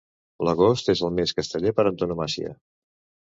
L'agost és el mes casteller per antonomàsia